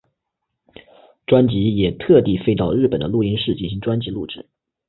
专辑也特地飞到日本的录音室进行专辑录制。